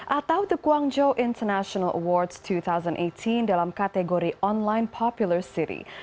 atau the guangzhou international awards dua ribu delapan belas dalam kategori online popular city